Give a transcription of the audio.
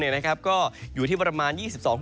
เนี่ยนะครับก็อยู่ที่ประมาณ